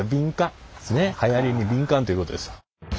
ねっはやりに敏感ということですよ。